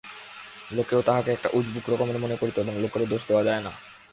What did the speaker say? লোকেও তাঁহাকে একটা উজবুক রকমের মনে করিত এবং লোকেরও দোষ দেওয়া যায় না।